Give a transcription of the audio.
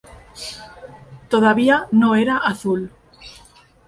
Todavía no era azul.